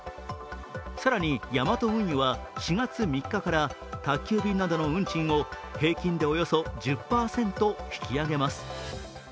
更にヤマト運輸は４月３日から宅急便などの運賃を平均でおよそ１０％引き上げます。